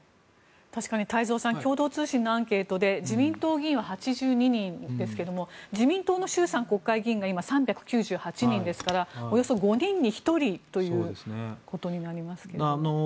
確かに太蔵さん共同通信のアンケートで自民党議員は８２人ですが自民党の衆参国会議員が今、３９８人ですからおよそ５人に１人ということになりますけども。